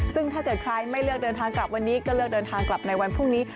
ซึ่งถ้าเกิดใครไม่เลือกเดินทางกลับวันนี้ก็เลือกเดินทางกลับในวันพรุ่งนี้